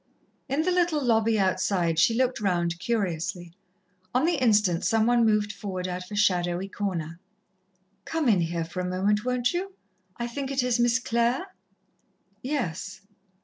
In the little lobby outside she looked round curiously. On the instant, some one moved forward out of a shadowy corner. "Come in here for a moment, won't you? I think it is Miss Clare?" "Yes."